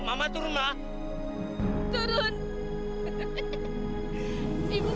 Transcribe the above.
kamu kamu kerjaan orang